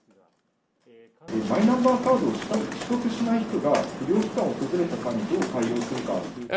マイナンバーカードを取得しない人が医療機関を訪れた際に、どう対応するか。